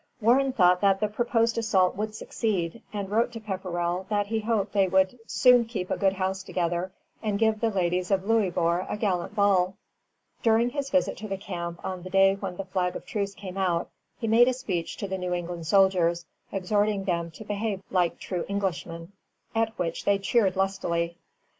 Warren thought that the proposed assault would succeed, and wrote to Pepperrell that he hoped they would "soon keep a good house together, and give the Ladys of Louisbourg a Gallant Ball." [Footnote: Warren to Pepperrell, 10 June, 1745.] During his visit to the camp on the day when the flag of truce came out, he made a speech to the New England soldiers, exhorting them to behave like true Englishmen; at which they cheered lustily.